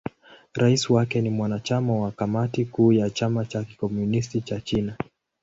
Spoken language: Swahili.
Rais wake ni mwanachama wa Kamati Kuu ya Chama cha Kikomunisti cha China.